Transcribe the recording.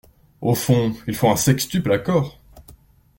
Au fond, il faut un sextuple accord.